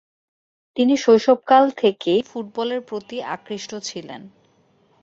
তিনি শৈশবকাল থেকেই ফুটবলের প্রতি আকৃষ্ট ছিলেন।